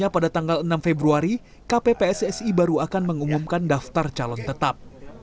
pada tanggal enam februari kppssi baru akan mengumumkan daftar calon tetap